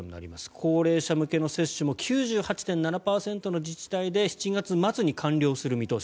高齢者向けの接種も９８．７％の自治体で７月末に完了する見通し。